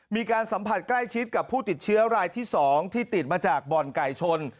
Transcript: มีการสัมผัสใกล้ชิดกับผู้ติดเชื้อรายที่๒ที่ติดมาจากบ่อนไก่ชน